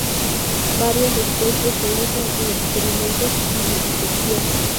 Varias especies se usan en experimentos y vivisección.